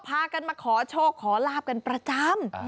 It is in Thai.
พากันมาขอโชคขอลาบกันประจำ